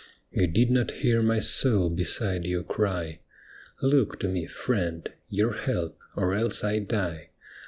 You did not hear my soul beside you cry, ' Look to me, friend ; your help, or else I die.'